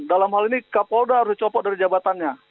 dalam hal ini kapolda harus dicopot dari jabatannya